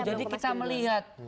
jadi kita melihat